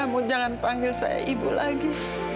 kamu jangan panggil saya ibu lagi